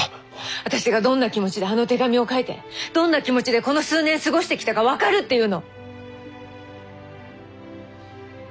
私がどんな気持ちであの手紙を書いてどんな気持ちでこの数年過ごしてきたか分かるっていうの？